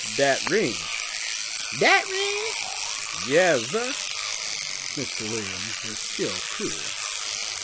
"Dat ring." "Dat ring?" "Yezzah." Mr. Williams was still cool.